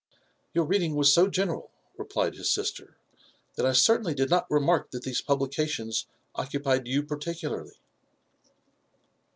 " Your reading was so general," replied his sister, ''that I cer tainly did not remark that these publications occupied you particu larly."